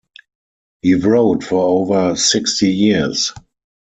He wrote for over sixty years.